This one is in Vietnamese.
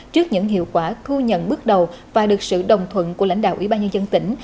trước những hiệu quả thu nhận bước đầu và được sự đồng thuận của lãnh đạo ủy ban nhân dân tỉnh